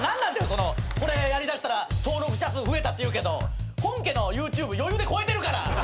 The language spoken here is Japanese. そのこれやりだしたら登録者数増えたっていうけど本家のＹｏｕＴｕｂｅ余裕で超えてるから！